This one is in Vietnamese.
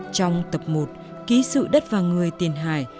trong tập một ký sự đất và người tiền hải